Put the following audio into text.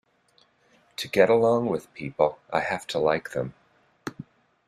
To get along with people I have to like them.